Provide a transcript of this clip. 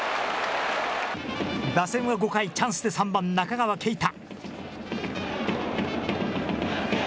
打線は５回、チャンスで３番・中川圭太。